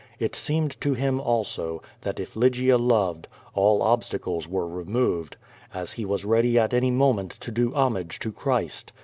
It seemed to him, also, that if Lygia loved, all obstacles were removed, as he was ready at any mo ment to do homage to Christ.